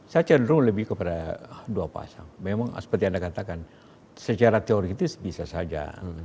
saya cenderung lebih kepada dua pasang memang seperti anda katakan secara teoritis bisa saja